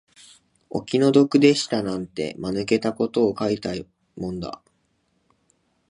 お気の毒でしたなんて、間抜けたことを書いたもんだ